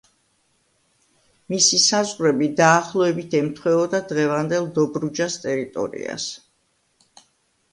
მისი საზღვრები დაახლოებით ემთხვეოდა დღევანდელ დობრუჯას ტერიტორიას.